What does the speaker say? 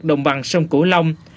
đồng bằng sông cửu long